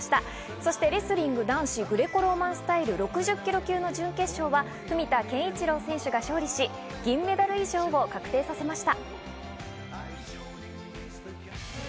そしてレスリング男子グレコローマンスタイル６０ｋｇ級準決勝は文田健一郎選手が勝利し、銀メダル以上を確定させました。